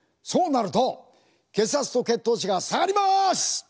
そうなると血圧と血糖値が下がります！